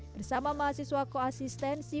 bersama mahasiswa koasistensi